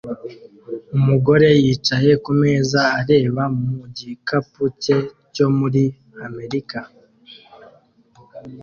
Umugore yicaye kumeza areba mu gikapu cye cyo muri Amerika